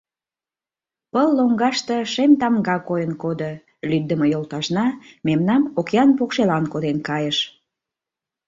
Пыл лоҥгаште шем тамга койын кодо: лӱддымӧ йолташна мемнам океан покшелан коден кайыш...